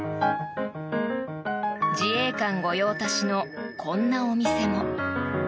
自衛官御用達のこんなお店も。